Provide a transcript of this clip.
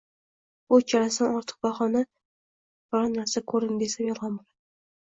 — Bu uchalasidan ortiq biron naraa ko'rdim desam, yolg'on bo'ladi.